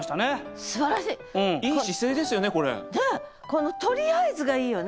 この「とりあえず」がいいよね。